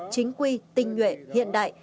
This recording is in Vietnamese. chính quy tinh nguyện hiện đại